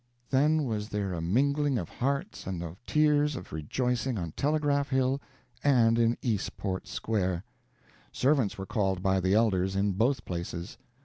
Then was there a mingling of hearts and of tears of rejoicing on Telegraph Hill and in Eastport Square. Servants were called by the elders, in both places.